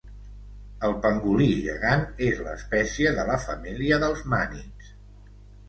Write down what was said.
El pangolí gegant és l'espècie de la família dels mànids.